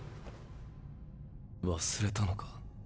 忘れたのか？